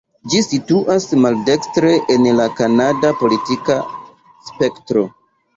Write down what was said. Ĝi situas maldekstre en la kanada politika spektro.